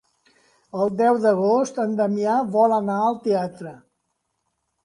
El deu d'agost en Damià vol anar al teatre.